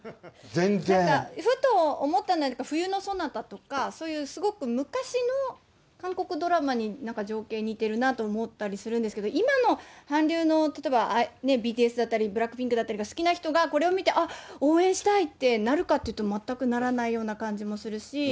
ふと思ったんだけど、冬のソナタとか、そういうすごく昔の韓国ドラマに、情景に似てるなと今の韓流の例えば、ＢＴＳだったり、ブラックピンクが好きな人がこれを見て応援したいってなるかっていうと、全くならないような感じもするし。